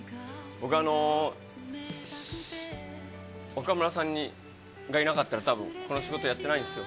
僕、岡村さんがいなかったらたぶん、この仕事やってないんですよ。